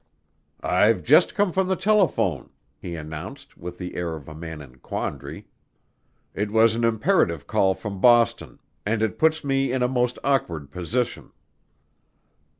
"I've just come from the telephone," he announced with the air of a man in quandary. "It was an imperative call from Boston and it puts me in a most awkward position."